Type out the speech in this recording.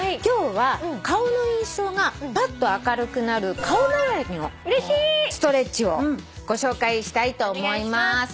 今日は顔の印象がパッと明るくなる顔回りのストレッチをご紹介したいと思います。